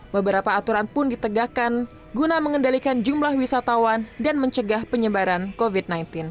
beberapa aturan pun ditegakkan guna mengendalikan jumlah wisatawan dan mencegah penyebaran covid sembilan belas